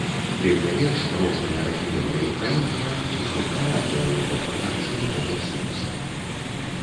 Тым не менш, розныя рэгіёны і краіны маюць істотна розныя інтэрпрэтацыі гэтых соусаў.